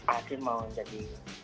aku mau jadi